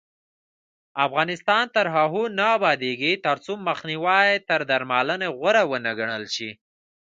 افغانستان تر هغو نه ابادیږي، ترڅو مخنیوی تر درملنې غوره ونه ګڼل شي.